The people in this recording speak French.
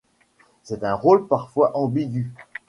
C'est un rôle parfois ambigu.